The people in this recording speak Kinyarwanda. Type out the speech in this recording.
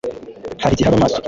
Hari igihe aba maso